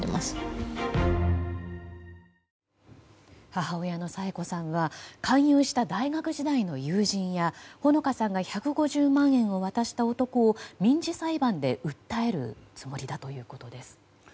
母親の佐永子さんは勧誘した大学時代の友人や穂野香さんが１５０万円を渡した男を民事裁判で訴えるつもりだということです。